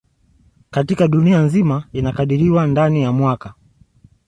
Katika dunia nzima inakadiriwa ndani ya mwaka